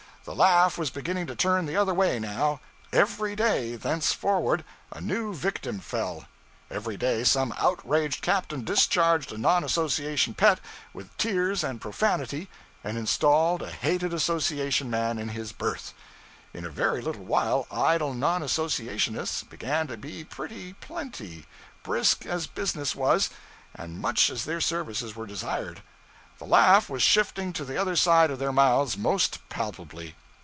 The laugh was beginning to turn the other way now. Every day, thenceforward, a new victim fell; every day some outraged captain discharged a non association pet, with tears and profanity, and installed a hated association man in his berth. In a very little while, idle non associationists began to be pretty plenty, brisk as business was, and much as their services were desired. The laugh was shifting to the other side of their mouths most palpably.